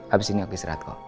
abis ini aku istirahat kok